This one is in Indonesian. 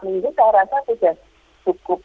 minggu saya rasa sudah cukup